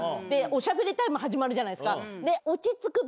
おしゃべりタイム始まるじゃないですか。